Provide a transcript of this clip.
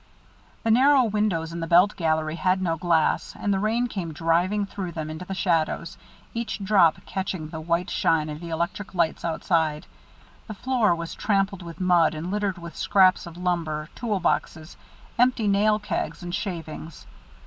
The narrow windows in the belt gallery had no glass, and the rain came driving through them into the shadows, each drop catching the white shine of the electric lights outside. The floor was trampled with mud and littered with scraps of lumber, tool boxes, empty nail kegs, and shavings.